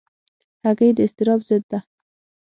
هګۍ د اضطراب ضد ده.